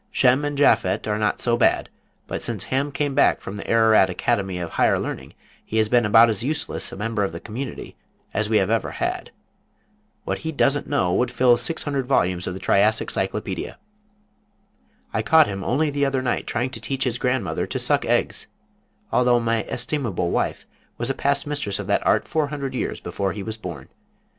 Shem and Japhet are not so bad, but since Ham came back from the Ararat Academy of Higher Learning he has been about as useless a member of the community as we have ever had. What he doesn't know would fill six hundred volumes of the Triassic Cyclopædia. I caught him only the other night trying to teach his grandmother to suck eggs, although my estimable wife was a past mistress of that art four hundred years before he was born.